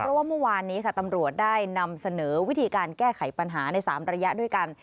เพราะว่าเมื่อวานนี้ค่ะตำรวจได้นำเสนอวิธีการแก้ไขปัญหาใน๓ระยะด้วยกัน